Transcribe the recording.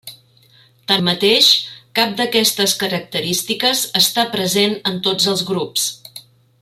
Tanmateix, cap d'aquestes característiques està present en tots els grups.